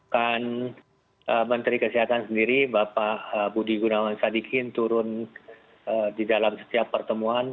dan menteri kesehatan sendiri bapak budi gunawan sadikin turun di dalam setiap pertemuan